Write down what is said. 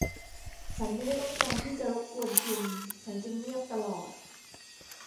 ฉันไม่ได้ต้องการที่จะรบกวนคุณ ฉันจึงเงียบตลอด